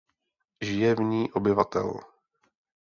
Žije v ní obyvatel.